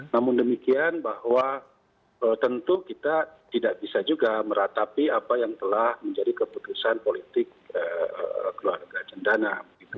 namun demikian bahwa tentu kita tidak bisa juga meratapi apa yang telah menjadi keputusan politik keluarga cendana